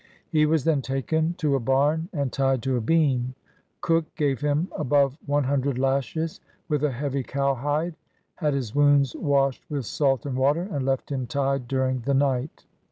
He was then taken to a barn and tied to a beam. Cook gave him above one hundred lashes with a heavy cowhide, had his wounds washed with salt and water, and left him tied during the night.